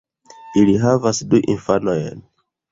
Ili havas du infanojn.